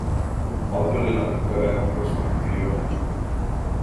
Odio le lamentele non costruttive.